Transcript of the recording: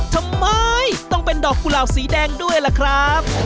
ทำไมต้องเป็นดอกกุหลาบสีแดงด้วยล่ะครับ